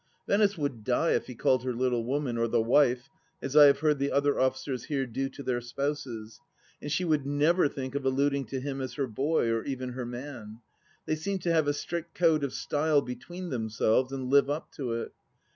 Venice would die if he called her " Little Woman " or " The Wife " as I have heard the other officers here do to their spouses, and she would never think of alluding to him as her " boy," or even her " man." They seem to have a strict code of style between themselves, and live up to it.